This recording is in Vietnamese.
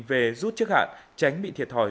về rút chức hạn tránh bị thiệt thòi